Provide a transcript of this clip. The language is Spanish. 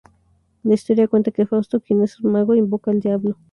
La historia cuenta que Fausto, quien es un mago, invoca al Diablo.